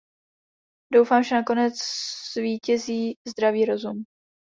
Doufám, že nakonec zvítězí zdravý rozum.